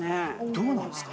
どうなんすか？